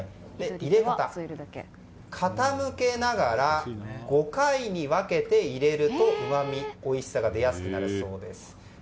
入れ方は傾けながら５回に分けて入れるとうまみ、おいしさが出やすくなるそうです。